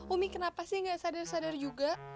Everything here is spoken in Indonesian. umi kenapa sih nggak sadar sadar juga